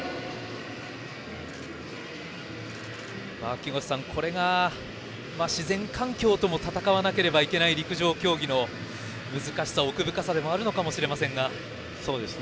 木越さん、これが自然環境とも戦わなければいけない陸上競技の難しさ、奥深さでもあるのかもしれませんね。